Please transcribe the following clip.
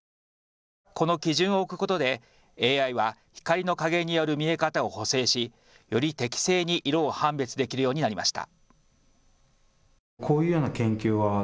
この基準を置くことでＡＩは光の加減による見え方を補正し、より適正に色を判別できるようになりました。